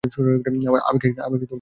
আবেগ একটা সম্পদ হতে পারে।